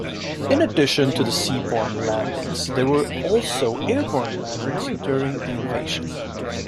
In addition to the seaborne landings, there were also airborne landings during the invasion.